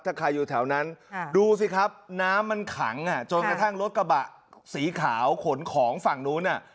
ถ้าใครอยู่แถวนั้นดูสิครับน้ำมันขังจนกระทั่งรถกระบะสีขาวขนของฝั่งนู้น